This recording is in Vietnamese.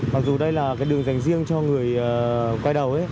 mặc dù đây là cái đường dành riêng cho người quay đầu